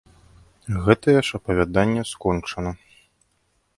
Гэтае ж апавяданне скончана.